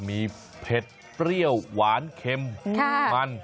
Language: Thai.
มีเผ็ดเปรี้ยวหวานเค็มมัน